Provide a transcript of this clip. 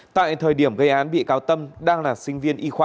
tại thời điểm gây án bị cáo tâm đang là sinh viên y khoa